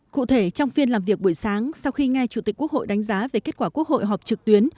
cụ thể trong phiên làm việc buổi sáng sau khi nghe chủ tịch quốc hội đánh giá về kết quả quốc hội họp trực tuyến